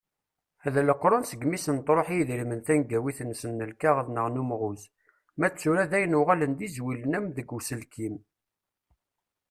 D leqrun segmi i sen-truḥ i yedrimen tengawit-nsen n lkaɣeḍ neɣ n umɣuz. Ma d tura dayen uɣalen d izwilen am deg uselkim.